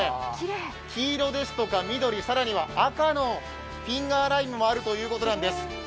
黄色ですとか緑、更には赤のフィンガーライムもあるということなんです。